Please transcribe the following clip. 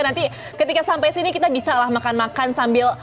nanti ketika sampai sini kita bisa lah makan makan sambil